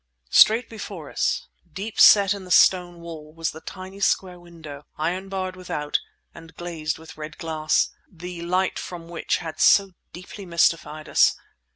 Straight before us, deep set in the stone wall, was the tiny square window, iron barred without, and glazed with red glass, the light from which had so deeply mystified us.